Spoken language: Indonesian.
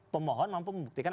pemohon mampu membuktikan